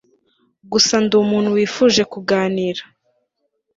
gusa ndi umuntu wifuje kuganira